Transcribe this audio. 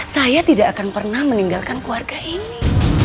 saya tidak akan pernah meninggalkan keluarga ini